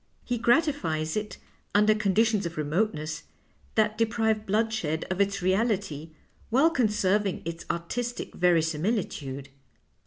He gratifies it under con ditions of remoteness that deprive bloodshed of its reality while conserving its artistic verisiniilitude."